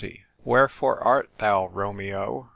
"WHEREFORE ART THOU ROiMEO?"